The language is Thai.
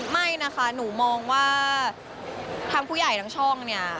ไม่นะคะหนูมองว่าทางผู้ใหญ่ทั้งช่องเนี่ย